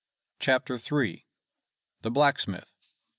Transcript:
CHAPTER III. THE BLACKSMITH.